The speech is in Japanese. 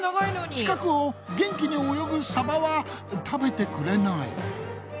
近くを元気に泳ぐサバは食べてくれない。